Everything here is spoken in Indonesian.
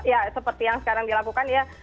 ya seperti yang sekarang dilakukan ya